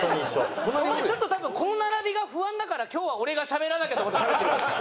お前ちょっと多分この並びが不安だから今日は俺がしゃべらなきゃと思ってしゃべってるだろ。